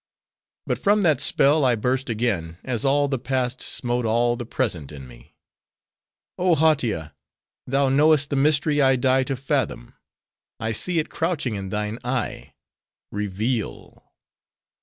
But from that spell, I burst again, as all the Past smote all the Present in me. "Oh Hautia! thou knowest the mystery I die to fathom. I see it crouching in thine eye:—Reveal!"